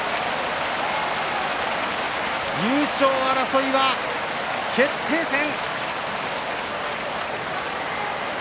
優勝争いは決定戦。